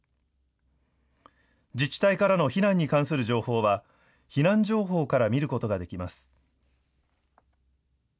自治体からの避難に関する情報は避難情報から見ることができます。